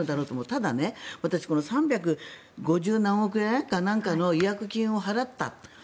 ただ、３５０何億円かの違約金を払った。